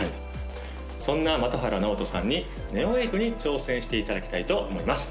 そんな真戸原直人さんにＮＥＯ８に挑戦していただきたいと思います